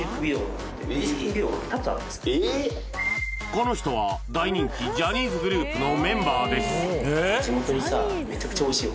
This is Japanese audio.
この人は大人気ジャニーズグループのメンバーです